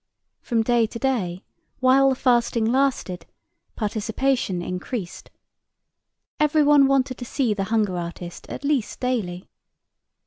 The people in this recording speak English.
From day to day while the fasting lasted, participation increased. Everyone wanted to see the hunger artist at least daily.